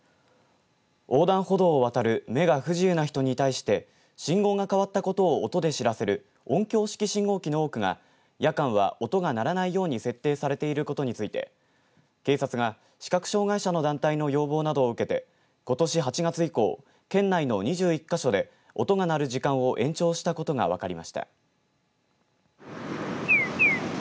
横断歩道を渡る目が不自由な人に対して信号が変わったことを音で知らせる音響式信号機の多くが夜間は音が鳴らないように設定されていることについて警察が視覚障害者の団体の要望などを受けてことし８月以降県内の２１か所で音が鳴る時間を延長したことが分かりました。